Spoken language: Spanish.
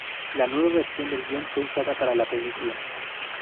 La nueva versión del guion fue usada para la película.